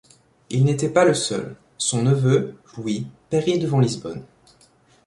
Il n'était pas le seul: son neveu, Louis, périt devant Lisbonne.